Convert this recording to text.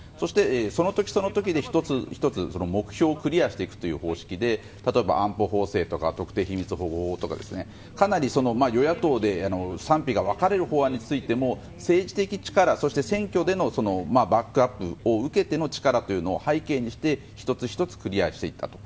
その時その時で目標をクリアしていく方式で例えば安保法制とか特定秘密法とかかなり与野党で賛否が分かれる法案についても政治的な力、選挙でのバックアップを受けての力を背景にして１つ１つクリアしていったと。